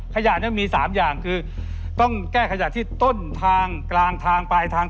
ขยะนี้มี๓อย่างคือต้องแก้ขยะที่ต้นทางกลางทางปลายทาง